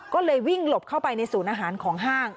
ก็เลยวิ่งหลบเข้าไปในศูนย์อาหารของห้าง